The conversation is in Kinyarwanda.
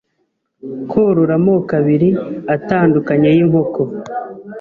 korora amoko abiri atandukanye y’inkoko